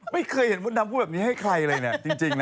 ไม่เคยเห็นพุทธนัมพูดแบบนี้ให้ใครเลยจริงนะ